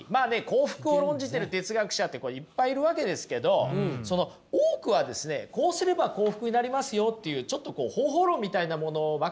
幸福を論じてる哲学者ってこれいっぱいいるわけですけどその多くはですねこうすれば幸福になりますよっていうちょっとこう方法論みたいなものばかりなんですよね。